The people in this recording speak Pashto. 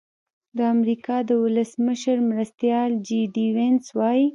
د امریکا د ولسمشر مرستیال جي ډي وینس وايي.